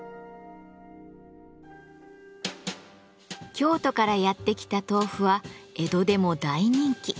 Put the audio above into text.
京都からやって来た豆腐は江戸でも大人気。